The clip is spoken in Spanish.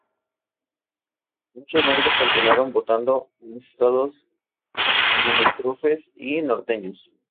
Muchos negros continuaron votando en los estados limítrofes y norteños.